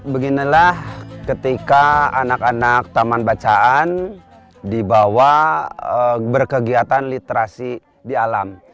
beginilah ketika anak anak taman bacaan dibawa berkegiatan literasi di alam